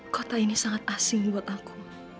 kota ini sangat asing buat aku